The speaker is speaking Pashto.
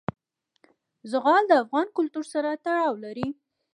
زغال د افغان کلتور سره تړاو لري.